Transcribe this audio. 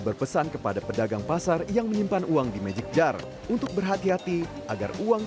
berpesan kepada pedagang pasar yang menyimpan uang di magic jar untuk berhati hati agar uang